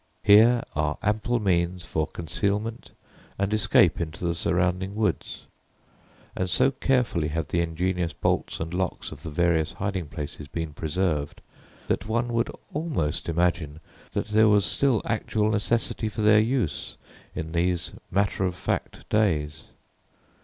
Here are ample means for concealment and escape into the surrounding woods; and so carefully have the ingenious bolts and locks of the various hiding places been preserved, that one would almost imagine that there was still actual necessity for their use in these matter of fact days!